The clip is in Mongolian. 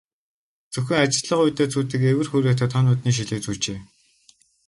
Зөвхөн ажиллах үедээ зүүдэг эвэр хүрээтэй том нүдний шилээ зүүжээ.